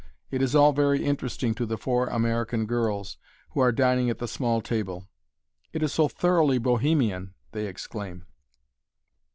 It is all very interesting to the four American girls, who are dining at the small table. "It is so thoroughly bohemian!" they exclaim.